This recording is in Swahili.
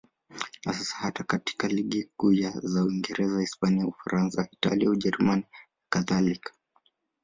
Na sasa hata katika ligi kuu za Uingereza, Hispania, Ufaransa, Italia, Ujerumani nakadhalika.